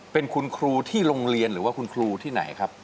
เป็นคุณครูที่โรงเรียนหรือว่าคุณครูที่ไหนครับ